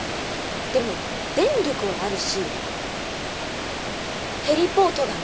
でも電力はあるしヘリポートが見えます。